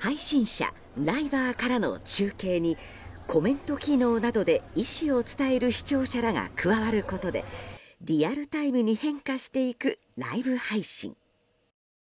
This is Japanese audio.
配信者ライバーからの中継にコメント機能などで意思を伝える視聴者らが加わることでリアルタイムに変化していくライブ配信。